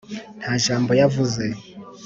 nta jambo yavuze.